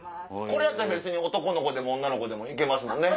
これやったら別に男の子でも女の子でも行けますもんね。